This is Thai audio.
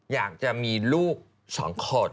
อยากจะมีลูก๒คน